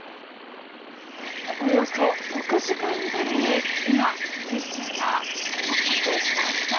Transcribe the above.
およそ６時間ぶりに今、列車が到着しました。